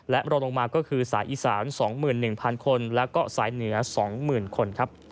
และรอลงมาก็คือสายอีสาน๒๑๐๐คนแล้วก็สายเหนือ๒๐๐๐คนครับ